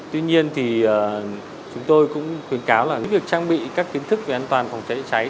tuy nhiên thì chúng tôi cũng khuyến cáo là những việc trang bị các kiến thức về an toàn phòng cháy cháy